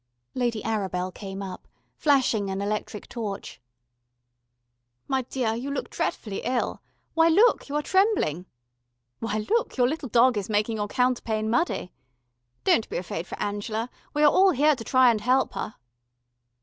Lady Arabel came up, flashing an electric torch. "My dear, you look dretfully ill. Why look, you are trembling. Why look, your little dog is making your counterpane muddy. Don't be afraid for Angela, we are all here to try and help her."